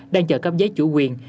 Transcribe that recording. đang chờ cấp giấy chủ quyền